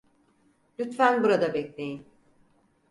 Lütfen burada bekleyin.